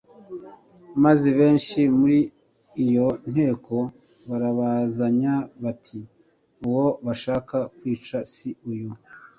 maze benshi muri iyo nteko barabazanya bati: «Uwo bashaka kwica si uyu?